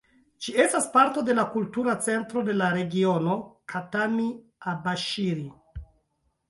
Ĝi estas parto de la Kultura Centro de la regiono Kitami-Abaŝiri.